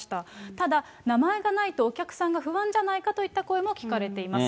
ただ、名前がないとお客さんが不安じゃないかといった声も聞かれています。